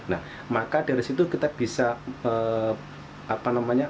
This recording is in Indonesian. nah maka dari situ kita bisa apa namanya